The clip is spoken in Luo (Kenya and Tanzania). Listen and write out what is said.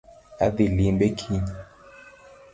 Adhii limbe kiny